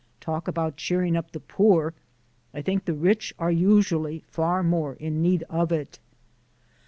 Talk about cheering up the poor: I think the rich are usually far more in need of it!